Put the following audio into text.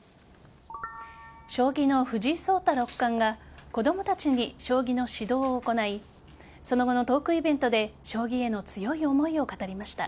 将棋の藤井聡太六冠が子供たちに将棋の指導を行いその後のトークイベントで将棋への強い思いを語りました。